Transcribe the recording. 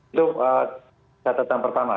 itu catatan pertama